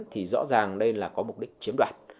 thì rõ ràng đây là có mục đích chiếm đoạt